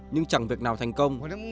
nhưng chẳng việc nào thành công